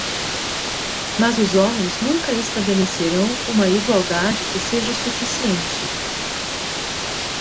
Mas os homens nunca estabelecerão uma igualdade que seja suficiente.